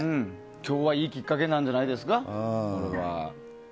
今日はいいきっかけなんじゃないですか。